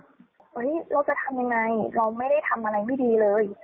เฮ้ยเราจะทำยังไงเราไม่ได้ทำอะไรไม่ดีเลย